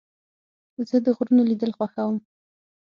زه د غرونو لیدل خوښوم.